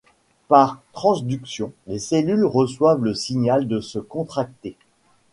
Par transduction, les cellules reçoivent le signal de se contracter.